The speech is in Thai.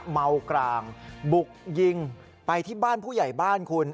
เมากรางบุกยิงไปที่บ้านผู้ใหญ่บ้านคุณ